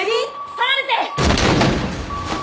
離れて！